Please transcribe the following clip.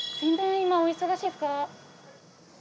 今、お忙しいですか？